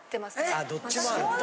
どっちも。